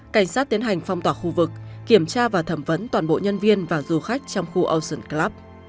cảnh sát tiến hành phong tỏa khu vực kiểm tra và thẩm vấn toàn bộ nhân viên và du khách trong khu ocean club